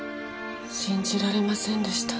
信じられませんでした。